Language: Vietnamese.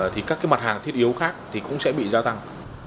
thì các cái mặt hàng thiết yếu khác thì cũng sẽ bị gia tăng